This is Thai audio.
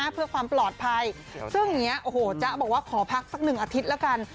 เพื่อความปลอดภัยซึ่งอย่างนี้โอ้โหจ๊ะบอกว่าขอพักสักหนึ่งอาทิตย์แล้วกัน